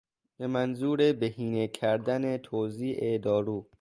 به منظور بهینه کردن توزیع دارو